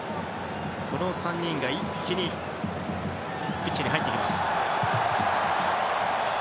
この３人が一気にピッチに入ってきます。